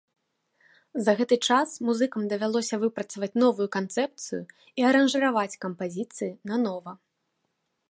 За гэты час музыкам давялося выпрацаваць новую канцэпцыю і аранжыраваць кампазіцыі нанова.